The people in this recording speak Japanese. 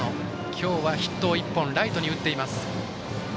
今日はヒット１本をライトに打っています。